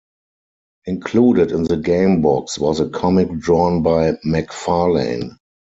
Included in the game box was a comic drawn by McFarlane.